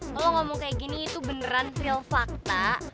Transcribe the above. kalau ngomong kayak gini itu beneran real fakta